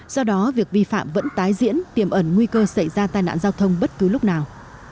do đó việc vi phạm vẫn tái diễn tiềm ẩn nguy cơ xảy ra tai nạn giao thông bất cứ lúc nào